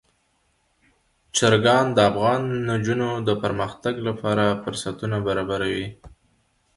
چرګان د افغان نجونو د پرمختګ لپاره فرصتونه برابروي.